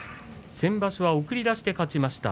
先場所は送り出しで勝ちました。